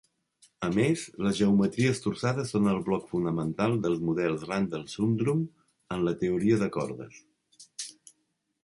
A més, les geometries torçades són el bloc fonamental dels models Randall-Sundrum en la teoria de cordes.